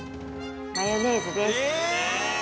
マヨネーズです。